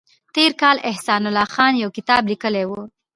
تېر کال احسان الله خان یو کتاب لیکلی و